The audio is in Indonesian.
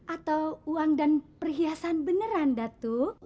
atau uang dan perhiasan beneran datu